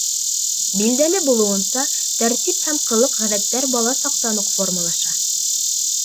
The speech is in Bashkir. Билдәле булыуынса, тәртип һәм ҡылыҡ-ғәҙәттәр бала саҡтан уҡ формалаша.